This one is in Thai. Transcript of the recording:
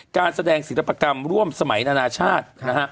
การแสดงศิลปกรรมร่วมสมัยนานาชาตินะฮะ